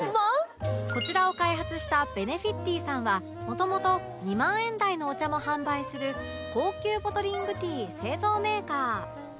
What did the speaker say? こちらを開発した Ｂｅｎｅｆｉｔｅａ さんはもともと２万円台のお茶も販売する高級ボトリングティー製造メーカー